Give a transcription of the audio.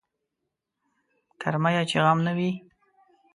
کرميه چې غم نه وي.